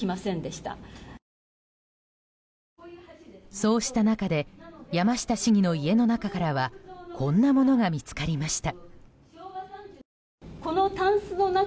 そうした中で山下市議の家の中からはこんなものが見つかりました。